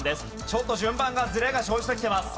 ちょっと順番がずれが生じてきてます。